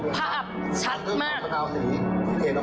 ได้พระราชทางคำแนะนำ